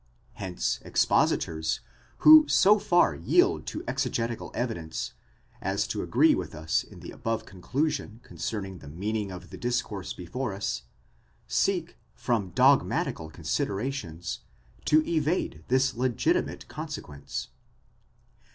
Hence expositors, who so far yield to exegetical evidence, as to agree with us in the above conclusion concerning the meaning of the discourse before us, seek from dogmatical considerations to evade this legitimate consequence.